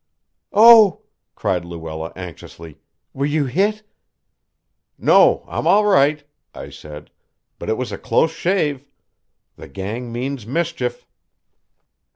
"Oh!" cried Luella anxiously; "were you hit?" "No, I'm all right," I said, "but it was a close shave. The gang means mischief."